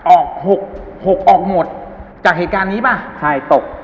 ออกหกหกออกหมดจากเหตุการณ์นี้ป่ะใครตก